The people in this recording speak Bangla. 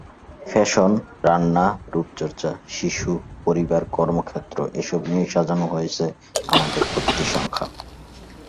ফ্যাশন, রান্না, রূপচর্চা, শিশু, পরিবার, কর্মক্ষেত্র—এসব নিয়েই সাজানো হয়েছে আমাদের প্রতিটি সংখ্যা।